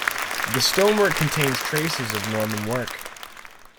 The stonework contains traces of Norman work.